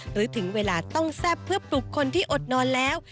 ถึงเวลาต้องแซ่บเพื่อปลุกคนที่อดนอนแล้ว